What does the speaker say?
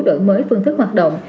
đổi mới phương thức hoạt động